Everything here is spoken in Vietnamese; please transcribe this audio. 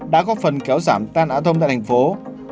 đã góp phần kéo giảm tai nạn thông tại tp hcm